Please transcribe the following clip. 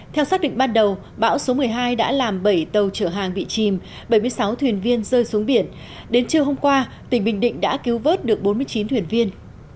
theo xác định ban đầu bão số một mươi hai đã làm bảy tàu chở hàng bị chìm bảy mươi sáu thuyền viên rơi xuống biển đến trưa hôm qua tỉnh bình định đã cứu vớt được bốn mươi chín thuyền viên